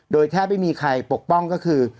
โดยแทบไม่มีใครปกป้องก็คือ